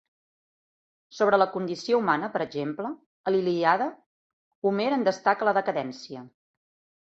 Sobre la condició humana, per exemple, a la Ilíada, Homer en destaca la decadència.